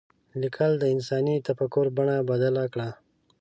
لیکل د انساني تفکر بڼه بدله کړه.